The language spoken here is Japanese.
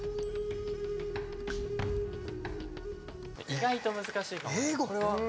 意外と難しいかも。